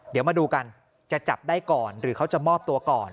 เดี๋ยวมาดูกันจะจับได้ก่อนหรือเขาจะมอบตัวก่อน